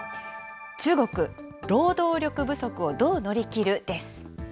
中国、労働力不足をどう乗り切るです。